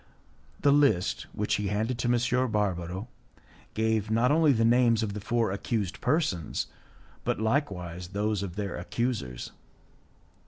The list, which he handed to M. Barbaro, gave not only the names of the four accused persons, but likewise those of their accusers.